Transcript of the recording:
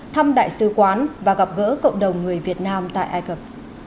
thăm đại sứ quán và gặp gỡ cộng đồng người việt nam tại ai cập